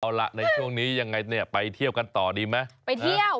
เอาล่ะในช่วงนี้ยังไงเนี่ยไปเที่ยวกันต่อดีไหมไปเที่ยว